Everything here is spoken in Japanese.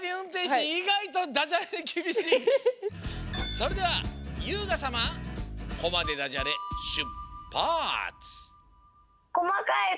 それではゆうがさま「こま」でダジャレしゅっぱつ！